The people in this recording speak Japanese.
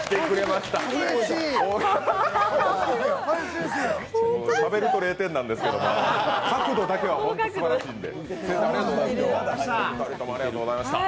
しゃべると０点なんですけど、角度だけは本当にすばらしいんで。